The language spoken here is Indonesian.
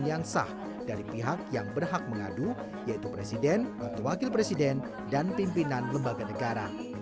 yang sah dari pihak yang berhak mengadu yaitu presiden wakil presiden dan pimpinan lembaga negara